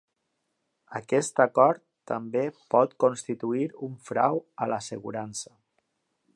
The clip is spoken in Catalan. Aquest acord també pot constituir un frau a l'assegurança.